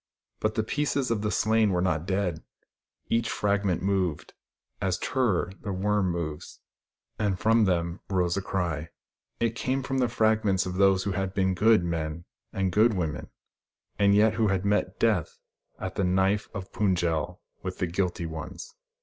But the pieces of the slain were not dead. Each fragment moved, as Tur ror, the worm, moves ; and from them rose a cry. It came from the fragments of those who had been good men and good women, yet who had met Death at the knife of Pund jel with the guilty ones.